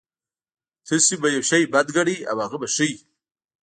تاسې به يو شی بد ګڼئ او هغه به ښه وي.